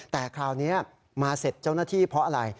แต่คราวนี้มาเสร็จเจ้าหน้าที่เพราะอะไร